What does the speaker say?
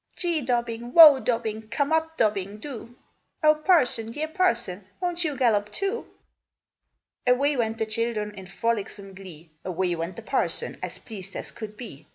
"Gee, Dobbin! whoa, Dobbin! come up, Dobbin, do! Oh! Parson, dear Parson, won't you gallop, too?" Away went the children, in frolicsome glee: Away went the parson, as pleased as could be.